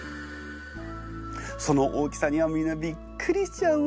その大きさには皆びっくりしちゃうわ。